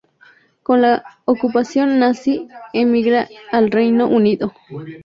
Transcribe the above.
Con la ocupación nazi emigra al Reino Unido.